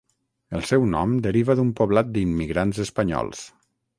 El seu nom deriva d'un poblat d'immigrants espanyols.